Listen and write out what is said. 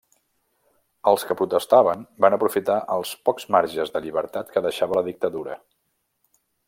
Els que protestaven van aprofitar els pocs marges de llibertat que deixava la Dictadura.